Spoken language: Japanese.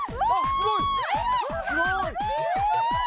すごい！